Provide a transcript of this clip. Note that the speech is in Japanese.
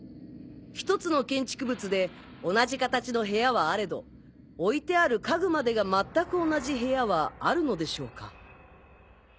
１つの建築物で同じ形の部屋はあれど置いてある家具までが全く同じ部屋はあるのでしょうか？